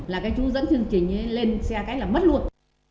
là cái chú dẫn chương trình lên xe cái là mất luôn